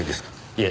いえ。